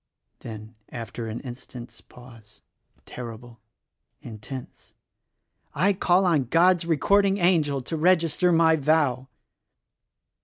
Then after an instant's pause, terrible, intense: "I call on God's Recording Angel to register my vow."